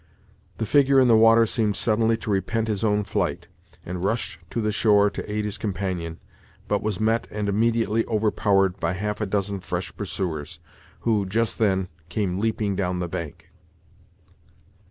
The figure in the water seemed suddenly to repent his own flight, and rushed to the shore to aid his companion, but was met and immediately overpowered by half a dozen fresh pursuers, who, just then, came leaping down the bank.